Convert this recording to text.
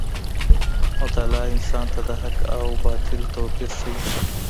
مطالعه انسان ته د حق او باطل توپیر ښيي.